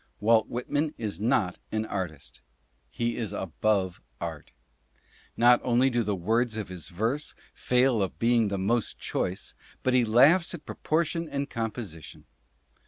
Walt Whitman is not an artist ; he is above art. Not only do the words of his verse fail of being the most choice, but he laughs at proportion and composition.